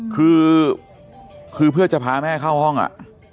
คือคือเพื่อจะพาแม่เข้าห้องอ่ะ